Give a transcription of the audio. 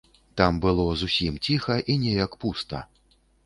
Там было зусім ціха і неяк пуста.